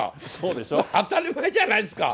当たり前じゃないですか。